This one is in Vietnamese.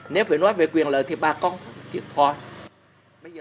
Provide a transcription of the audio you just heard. nếu phải nói về quyền lợi thì bà con thì thôi